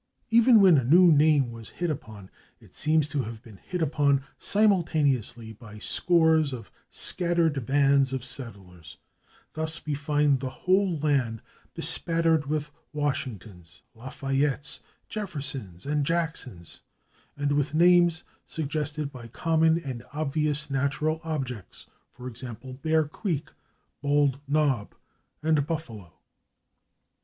Even when a new name was hit upon it seems to have been hit upon simultaneously by scores of scattered bands of settlers; thus we find the whole land bespattered with /Washingtons/, /Lafayettes/, /Jeffersons/ and /Jacksons/, and with names suggested by common and obvious natural objects, /e. g./, /Bear Creek/, /Bald Knob/ and /Buffalo